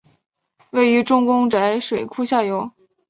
位于周公宅水库下游。